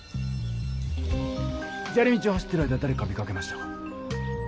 じゃり道を走ってる間だれか見かけましたか？